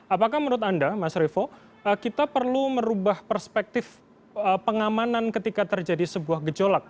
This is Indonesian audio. apakah menurut anda mas revo kita perlu merubah perspektif pengamanan ketika terjadi sebuah gejolak